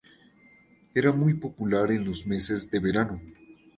Era muy popular en los meses de verano.